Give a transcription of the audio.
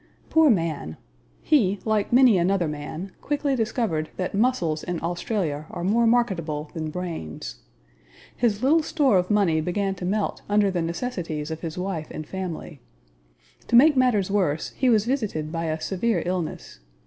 Poor man! He, like many another man, quickly discovered that muscles in Australia are more marketable than brains. His little store of money began to melt under the necessities of his wife and family. To make matters worse he was visited by a severe illness.